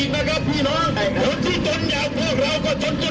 ภาคภูมิภาคภูมิ